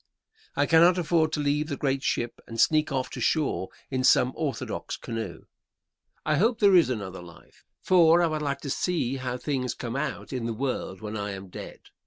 I cannot afford to leave the great ship and sneak off to shore in some orthodox canoe. I hope there is another life, for I would like to see how things come out in the world when I am dead.